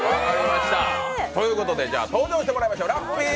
じゃあ登場してもらいましょう、ラッピー！